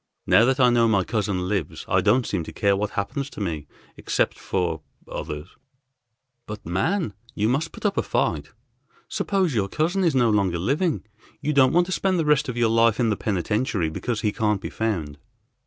Now that I know my cousin lives I don't seem to care what happens to me, except for others." "But man! You must put up a fight. Suppose your cousin is no longer living; you don't want to spend the rest of your life in the penitentiary because he can't be found."